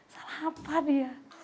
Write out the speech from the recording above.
salah apa dia